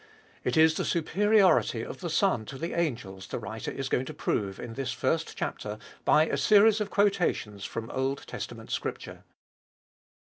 It is the superiority of the Son to the angels the writer is going to prove in this first chapter by a series of quotations from Old Testament Scripture.